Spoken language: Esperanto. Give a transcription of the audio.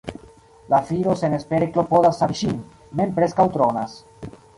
La viro senespere klopodas savi ŝin, mem preskaŭ dronas.